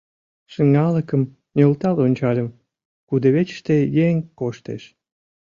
Шыҥалыкым нӧлтал ончальым: кудывечыште еҥ коштеш.